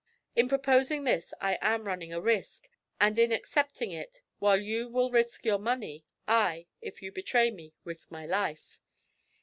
'In proposing this I am running a risk, and in accepting it, while you will risk your money, I, if you betray me, risk my life.